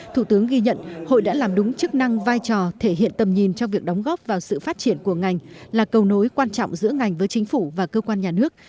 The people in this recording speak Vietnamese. thủ tướng ghi nhận hội đã làm đúng chức năng vai trò thể hiện tầm nhìn trong việc đóng góp vào sự phát triển của ngành là cầu nối quan trọng giữa ngành với chính phủ và cơ quan nhà nước